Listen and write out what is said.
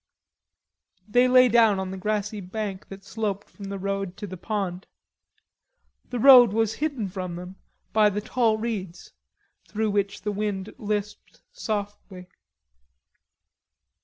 They lay down on the grassy bank that sloped from the road to the pond. The road was hidden from them by the tall reeds through which the wind lisped softly.